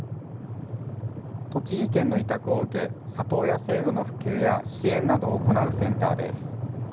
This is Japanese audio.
栃木県の委託を受け里親制度の普及や支援などを行うセンターです。